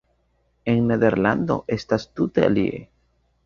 En Nederlando estas tute alie.